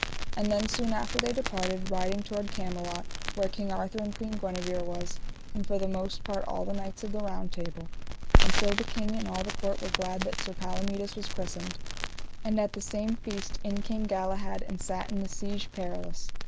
And then soon after they departed, riding toward Camelot, where King Arthur and Queen Guenever was, and for the most part all the knights of the Round Table. And so the king and all the court were glad that Sir Palomides was christened. And at the same feast in came Galahad and sat in the Siege Perilous.